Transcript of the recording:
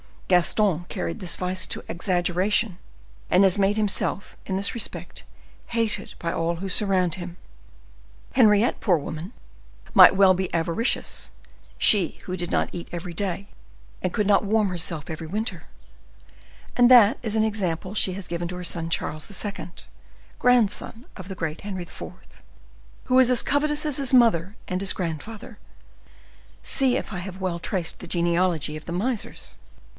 Gaston carried this vice to exaggeration, and has made himself, in this respect, hated by all who surround him. Henriette, poor woman, might well be avaricious, she who did not eat every day, and could not warm herself every winter; and that is an example she has given to her son Charles II., grandson of the great Henry IV., who is as covetous as his mother and his grandfather. See if I have well traced the genealogy of the misers?"